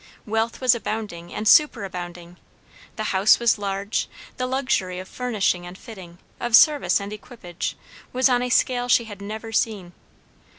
Wealth was abounding and superabounding; the house was large, the luxury of furnishing and fitting, of service and equipage, was on a scale she had never seen.